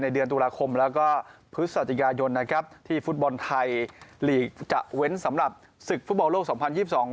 เดือนตุลาคมแล้วก็พฤศจิกายนนะครับที่ฟุตบอลไทยลีกจะเว้นสำหรับศึกฟุตบอลโลกสองพันยี่สิบสอง